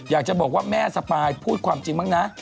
อยากจะบอกว่าแม่สปายพูดความจริงบ้างนะ